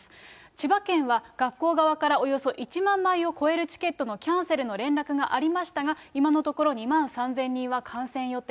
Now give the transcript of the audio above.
千葉県は、学校側からおよそ１万枚を超えるチケットのキャンセルの連絡がありましたが、今のところ、２万３０００人は観戦予定。